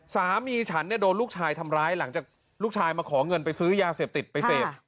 สามีฉันเนี่ยโดนลูกชายทำร้ายหลังจากลูกชายมาขอเงินไปซื้อยาเสพติดไปเสพ